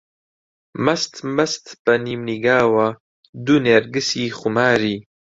مەست مەست بە نیمنیگاوە، دوو نێرگسی خوماری